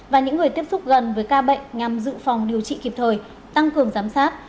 và những người tiếp xúc gần với ca bệnh nhằm dự phòng điều trị kịp thời tăng cường giám sát